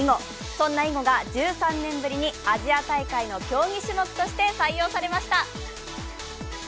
そんな囲碁が、１３年ぶりにアジア大会の競技種目として採用されました。